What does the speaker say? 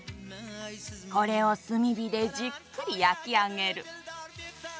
これを炭火でじっくり焼き上げる。